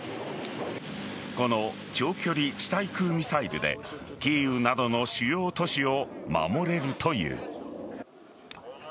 この長距離地対空ミサイルでキーウなどの主要都市を守れるという。